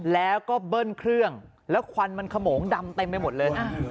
แล้วก็เบิ้ลเครื่องแล้วควันมันขโมงดำเต็มไปหมดเลย